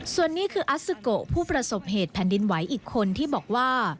ส่วนนี้คืออัสซิโกผู้ประสบเหตุแผ่นดินไหวอีกคนที่บอกว่า